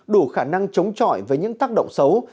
đủ khả năng chống chọi với những tác động xấu